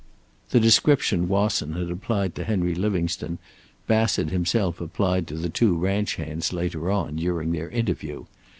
The description Wasson had applied to Henry Livingstone, Bassett himself applied to the two ranch hands later on, during their interview.